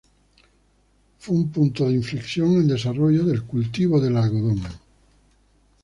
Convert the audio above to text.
Fue un punto de inflexión en desarrollo del cultivo del algodón.